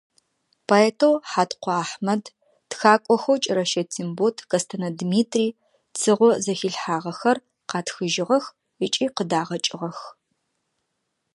Поэтэу Хьаткъо Ахьмэд, тхакӀохэу КӀэрэщэ Тембот, Кэстэнэ Дмитрий Цыгъо зэхилъхьагъэхэр къатхыжьыгъэх ыкӀи къыдагъэкӀыгъэх.